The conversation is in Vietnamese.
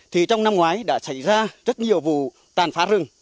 thì trong năm ngoái đã xảy ra rất nhiều vụ tàn phá rừng